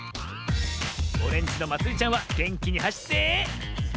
オレンジのまつりちゃんはげんきにはしって。